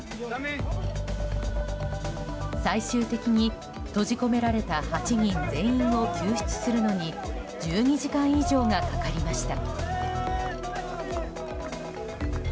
最終的に、閉じ込められた８人全員を救出するのに１２時間以上がかかりました。